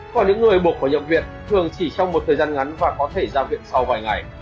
còn những người buộc phải nhập viện thường chỉ trong một thời gian ngắn và có thể ra viện sau vài ngày